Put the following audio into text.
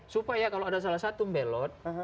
supaya kalau ada salah satu belot